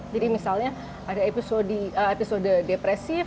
jadi misalnya ada episode depresif